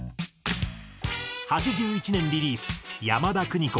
８１年リリース山田邦子